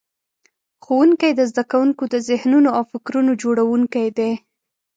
ښوونکي د زده کوونکو د ذهنونو او فکرونو جوړونکي دي.